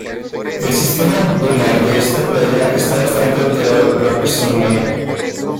El sistema dunar de esta playa está bastante alterado por la presión humana.